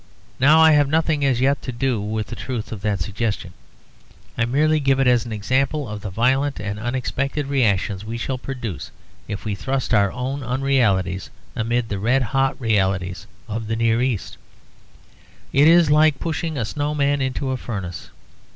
Now I have nothing as yet to do with the truth of that suggestion; I merely give it as an example of the violent and unexpected reactions we shall produce if we thrust our own unrealities amid the red hot realities of the Near East; it is like pushing a snow man into a furnace.